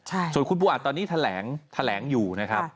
ใช่ส่วนคุณผู้อัดตอนนี้แถลงแถลงอยู่นะครับครับ